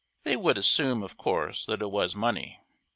They would assume, of course, that it was money.